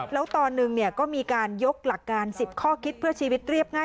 แล้วตอนหนึ่งก็มีการยกหลักการ๑๐ข้อคิดเพื่อชีวิตเรียบง่าย